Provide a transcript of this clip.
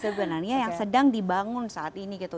sebenarnya yang sedang dibangun saat ini gitu